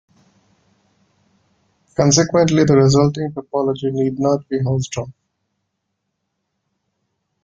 Consequently, the resulting topology need not be Hausdorff.